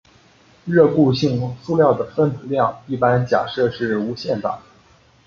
热固性塑料的分子量一般假设是无限大。